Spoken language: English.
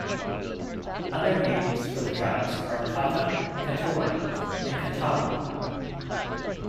Other names for the tribes are "Kata", "Kator" and "Katawer".